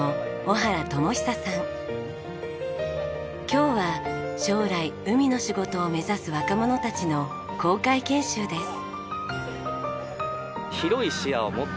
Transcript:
今日は将来海の仕事を目指す若者たちの航海研修です。